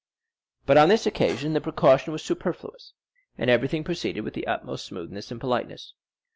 But on this occasion the precaution was superfluous, and everything proceeded with the utmost smoothness and politeness.